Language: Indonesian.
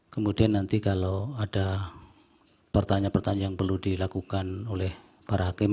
kemudian nanti kalau ada pertanyaan pertanyaan yang perlu dilakukan oleh para hakim